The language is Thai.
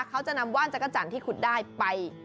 เขาจะนำว่านจักรจันทร์ที่ขุดได้ไป